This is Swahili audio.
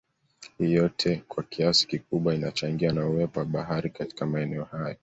Hii yote kwa kiasi kikubwa inachangiwa na uwepo wa Bahari katika maeneo hayo